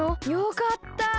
よかった！